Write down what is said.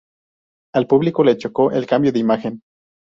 Al público le chocó el cambio de imagen.